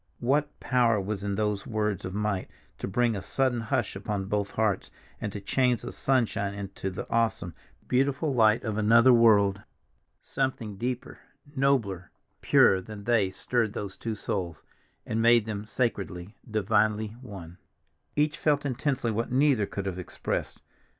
What power was in those words of might to bring a sudden hush upon both hearts, and to change the sunshine into the awesome, beautiful light of another world? Something deeper, nobler, purer than they stirred those two souls, and made them sacredly, divinely one. Each felt intensely what neither could have expressed.